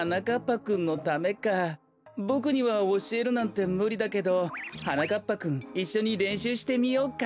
ボクにはおしえるなんてむりだけどはなかっぱくんいっしょにれんしゅうしてみようか？